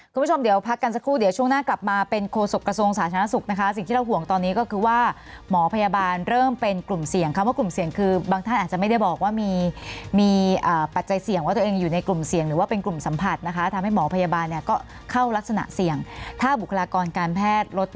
คุณผู้ชมเดี๋ยวพักกันสักครู่เดี๋ยวช่วงหน้ากลับมาเป็นโครสุกกระทรวงสาธารณสุขนะคะ